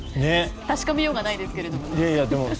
確かめようがないですけども。